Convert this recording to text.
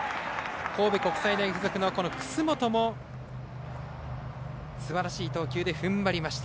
神戸国際大付属の楠本もすばらしい投球でふんばりました。